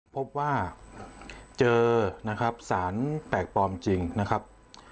พบว่าเจอนะครับสารแปลกปลอมจริงนะครับ